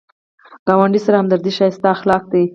ګاونډي سره همدردي ښایسته اخلاق دي